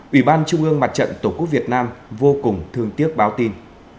ủy ban trung ương mặt trận tổ quốc việt nam vô cùng thương tiếc báo tin